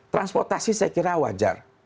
transportasi saya kira wajar